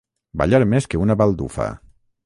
Ballar més que una baldufa.